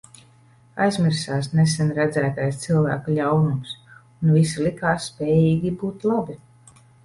Aizmirsās nesen redzētais cilvēku ļaunums, un visi likās spējīgi būt labi.